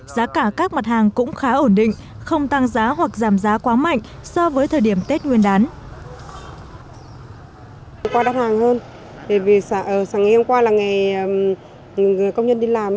giá cả các mặt hàng cũng khá ổn định không tăng giá hoặc giảm giá quá mạnh so với thời điểm tết nguyên đán